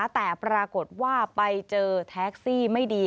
แต่ปรากฏว่าไปเจอแท็กซี่ไม่ดี